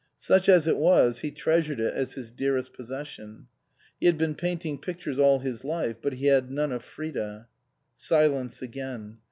Such as it was he treasured it as his dearest possession. He had been painting pictures all his life, but he had none of Frida. Silence again.